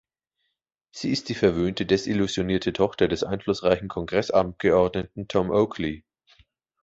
Sie ist die verwöhnte, desillusionierte Tochter des einflussreichen Kongressabgeordneten Tom Oakley.